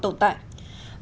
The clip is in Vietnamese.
điều đáng nói là